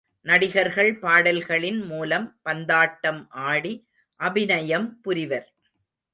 நடிகர்கள் பாடல்களின் மூலம் பந்தாட்டம் ஆடி அபிநயம் புரிவர்.